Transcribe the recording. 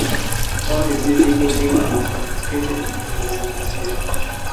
All his illegal gains will be confiscated and handed over to the State.